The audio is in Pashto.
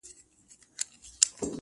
• ځه پرېږده وخته نور به مي راويښ کړم ،